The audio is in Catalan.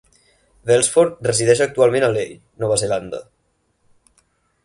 Welsford resideix actualment a Leigh, Nova Zelanda.